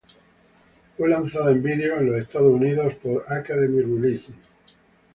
Fue lanzada en vídeo en los Estados Unidos por Academy Releasing.